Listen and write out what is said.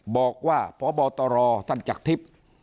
บอกว่าพบตรท่านจักรทิพย์